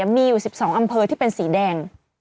มีอยู่๑๒อำเภอที่เป็นสีแดง